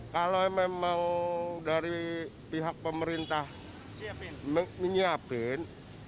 kalau memang dari pihak pemerintah menyiapkan